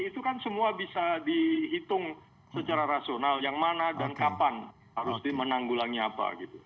itu kan semua bisa dihitung secara rasional yang mana dan kapan harus dimenanggulangi apa gitu